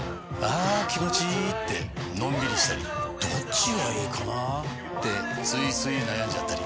あ気持ちいいってのんびりしたりどっちがいいかなってついつい悩んじゃったり。